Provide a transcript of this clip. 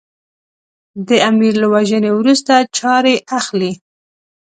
د امیر له وژنې وروسته چارې اخلي.